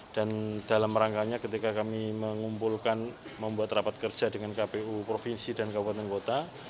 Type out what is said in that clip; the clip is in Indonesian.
dan dalam rangkanya ketika kami mengumpulkan membuat rapat kerja dengan kpu provinsi dan kabupaten kota